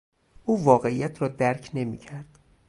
او واقعیت را درک نمیکرد.